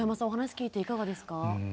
お話聞いていかがですか？